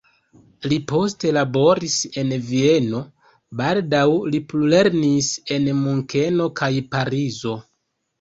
Li poste laboris en Vieno, baldaŭ li plulernis en Munkeno kaj Parizo.